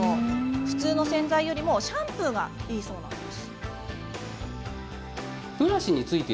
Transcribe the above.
普通の洗剤よりもシャンプーがいいそうです。